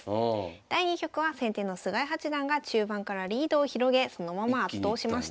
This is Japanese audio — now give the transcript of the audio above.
第２局は先手の菅井八段が中盤からリードを広げそのまま圧倒しました。